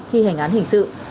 khi hành án hình sự